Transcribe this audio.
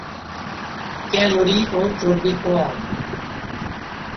Calorie ও চর্বি কম।